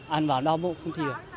ăn vào đau bụng không thi được